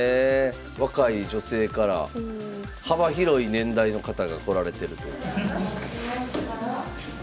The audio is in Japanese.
若い女性から幅広い年代の方が来られてると。